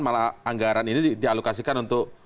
malah anggaran ini dialokasikan untuk